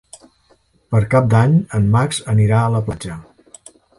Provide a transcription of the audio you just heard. Per Cap d'Any en Max anirà a la platja.